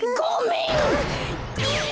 ごめん！